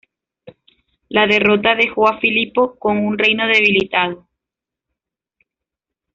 La derrota dejó a Filipo con un reino debilitado.